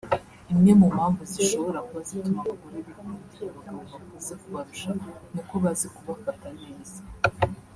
Imwe mu mpamvu zishobora kuba zituma abagore bikundira abagabo bakuze kubarusha nuko bazi kubafata neza